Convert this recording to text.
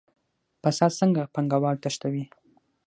فساد څنګه پانګوال تښتوي؟